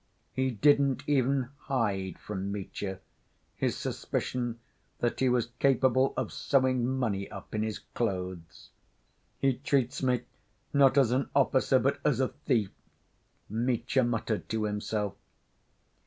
He didn't even hide from Mitya his suspicion that he was capable of sewing money up in his clothes. "He treats me not as an officer but as a thief," Mitya muttered to himself.